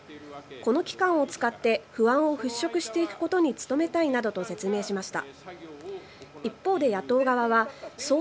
この期間を使って不安を払拭していくことに努めたいなどと説明しました。